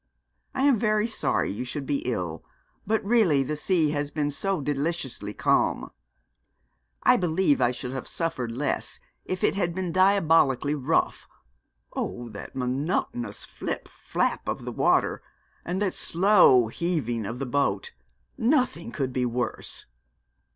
'I am very sorry you should be ill; but really the sea has been so deliciously calm.' 'I believe I should have suffered less if it had been diabolically rough. Oh, that monotonous flip flap of the water, that slow heaving of the boat! Nothing could be worse.'